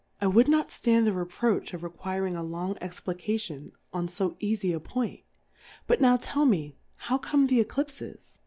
I would not ftand the Reproach of requiring a long Explication on fo eafie aPoint : But, now tell me, how come the Eclipfcs